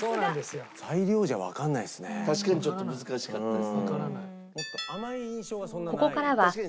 確かにちょっと難しかったです。